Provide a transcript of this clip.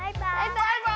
バイバイ！